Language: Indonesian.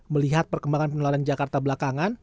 melihat perkembangan penularan jakarta belakangan